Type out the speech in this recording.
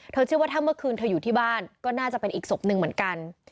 เชื่อว่าถ้าเมื่อคืนเธออยู่ที่บ้านก็น่าจะเป็นอีกศพหนึ่งเหมือนกัน